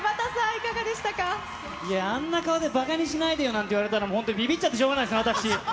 いやー、あんな顔でばかにしないでよなんて言われたら、もう本当、びびっちゃってしょうがないですね、私。